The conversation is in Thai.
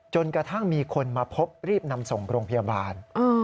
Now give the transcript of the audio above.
จนกระทั่งมีคนมาพบรีบนำส่งโรงพยาบาล